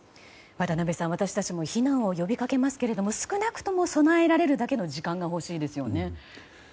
渡辺さん、私たちも避難を呼びかけますけども少なくとも備えられるだけの時間が欲しいですよね。